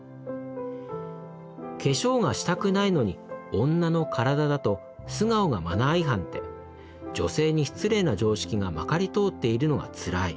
化粧がしたくないのに女の体だと素顔がマナー違反って女性に失礼な常識がまかり通っているのが辛い。